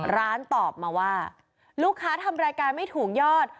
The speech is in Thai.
ตอบมาว่าลูกค้าทำรายการไม่ถูกยอด